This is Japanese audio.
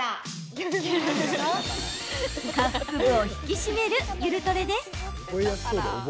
下腹部を引き締めるゆるトレです。